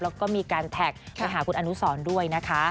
แล้วก็มีการแท็กไปหาคุณอนุสรด้วยนะคะ